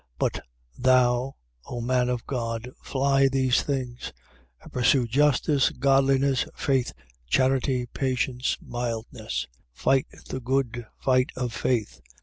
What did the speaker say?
6:11. But thou, O man of God, fly these things: and pursue justice, godliness, faith, charity, patience, mildness. 6:12. Fight the good fight of faith.